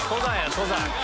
登山。